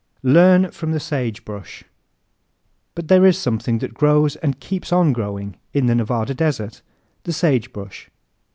Learn From the Sagebrush ¶ But there is something that grows and keeps on growing in the Nevada desert the sagebrush.